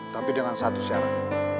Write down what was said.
tapi dengan satu syarat